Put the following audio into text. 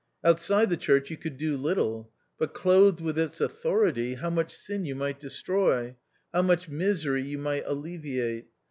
Outside the church you could do little ; but clothed with its authority, how much sin you might destroy, how much misery you might alleviate